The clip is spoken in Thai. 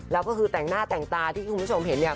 แล้วก็คือแต่งหน้าแต่งตาที่คุณผู้ชมเห็นเนี่ย